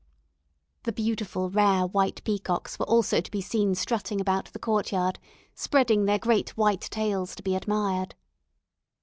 The beautiful, rare, white peacocks were also to be seen strutting about the courtyard, spreading their great white tails to be admired.